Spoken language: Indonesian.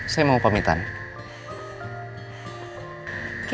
saya mau pamitannya